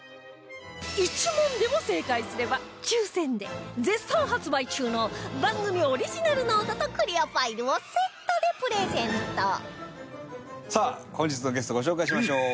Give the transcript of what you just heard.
１問でも正解すれば抽選で絶賛発売中の番組オリジナルノートとクリアファイルをセットでプレゼントさあ本日のゲストご紹介しましょう。